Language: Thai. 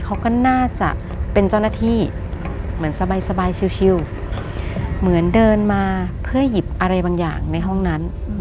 เขาก็น่าจะเป็นเจ้าหน้าที่เหมือนสบายชิวเหมือนเดินมาเพื่อหยิบอะไรบางอย่างในห้องนั้น